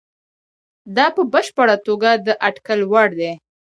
دا په بشپړه توګه د اټکل وړ دي.